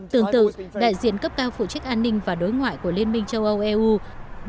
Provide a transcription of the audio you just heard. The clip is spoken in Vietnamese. tương tự đại diện cấp cao phụ trách an ninh và đối ngoại của liên minh châu âu eu